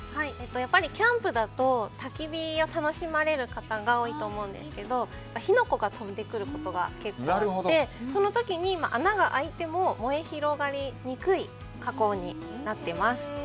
やっぱりキャンプだとたき火を楽しまれる方が多いと思うんですけど火の粉が飛んでくることが結構あってその時に穴が開いても燃え広がりにくい加工になっています。